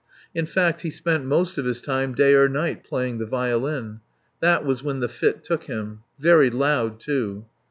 In fact, he spent most of his time day or night playing the violin. That was when the fit took him. Very loud, too.